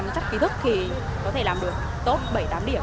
chắc kỹ thức thì có thể làm được tốt bảy tám điểm